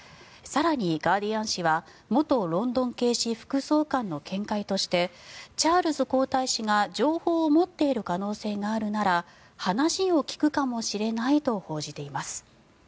更に、ガーディアン紙は元ロンドン警視副総監の見解としてチャールズ皇太子が情報を持っている可能性があるなら話を聞くかもしれないと報じています。